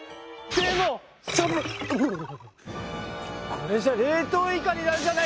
これじゃ冷凍イカになるじゃな